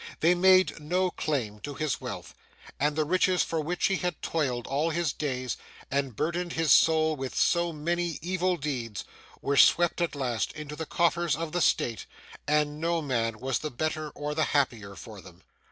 They made no claim to his wealth; and the riches for which he had toiled all his days, and burdened his soul with so many evil deeds, were swept at last into the coffers of the state, and no man was the better or the happier for them.